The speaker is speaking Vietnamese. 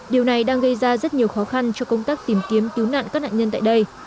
điều này đang gây ra rất nhiều khó khăn cho công tác tìm kiếm cứu nạn các nạn nhân tại đây